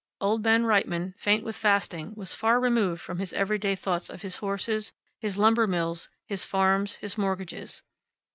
Old Ben Reitman, faint with fasting, was far removed from his everyday thoughts of his horses, his lumber mills, his farms, his mortgages.